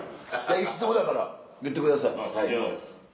いつでもだから言ってください。